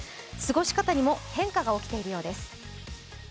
過ごし方にも変化が起きているようです。